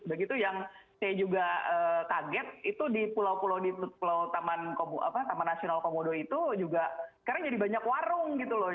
begitu yang saya juga target itu di pulau pulau taman national komodo itu juga sekarang jadi banyak warung gitu loh